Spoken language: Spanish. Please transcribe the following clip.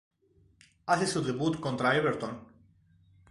Hace su debut contra Everton.